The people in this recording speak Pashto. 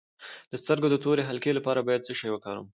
د سترګو د تورې حلقې لپاره باید څه شی وکاروم؟